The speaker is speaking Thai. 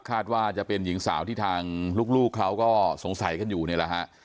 คาดว่าจะเป็นหญิงสาวที่ทางลูกเขาก็สงสัยกันอยู่นี่แหละฮะ